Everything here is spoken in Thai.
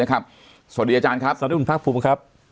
สวัสดีคุณภาคภูมิครับ